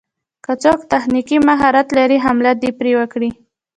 که څوک تخنيکي مهارت لري حمله دې پرې وکړي.